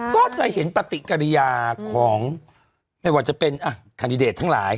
ก็จะเห็นปฏิกิริยาของไม่ว่าจะเป็นคันดิเดตทั้งหลาย